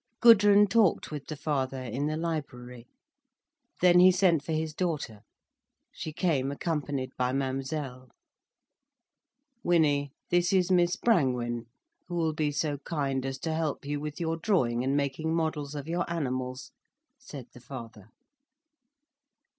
Gudrun talked with the father in the library. Then he sent for his daughter. She came accompanied by Mademoiselle. "Winnie, this is Miss Brangwen, who will be so kind as to help you with your drawing and making models of your animals," said the father.